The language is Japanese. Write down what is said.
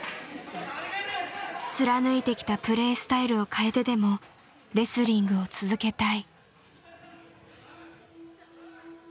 貫いてきたプレースタイルを変えてでもレスリングを続けたい。